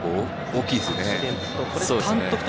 大きいですね。